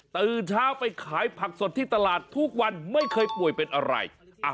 ตื่นเช้าไปขายผักสดที่ตลาดทุกวันไม่เคยป่วยเป็นอะไร